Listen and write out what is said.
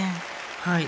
はい。